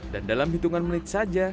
dan dalam hitungan menit saja